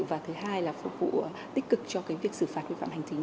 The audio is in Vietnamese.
và thứ hai là phục vụ tích cực cho việc xử phạt vi phạm hành chính